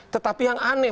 tetapi yang aneh